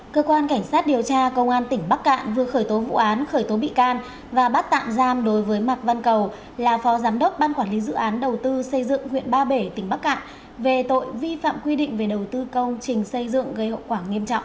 cơ quan cảnh sát điều tra công an tỉnh bắc cạn vừa khởi tố vụ án khởi tố bị can và bắt tạm giam đối với mạc văn cầu là phó giám đốc ban quản lý dự án đầu tư xây dựng huyện ba bể tỉnh bắc cạn về tội vi phạm quy định về đầu tư công trình xây dựng gây hậu quả nghiêm trọng